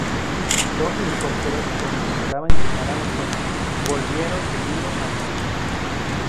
Dos helicópteros que intentaban llegar a la escena volvieron debido al mal tiempo.